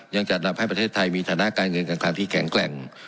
ยังจัดอันดับให้ประเทศไทยมีธนาคารเงินกลางที่แข็งแกร่ง